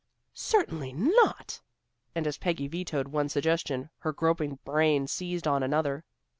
"Certainly not." And as Peggy vetoed one suggestion, her groping brain seized on another.